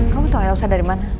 kamu tahu elsa dari mana